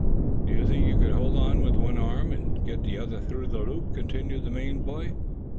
"Do you think you could hold on with one arm, and get the other through the loop?" continued the Maine boy.